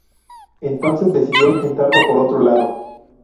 Entonces decidió intentarlo por otro lado.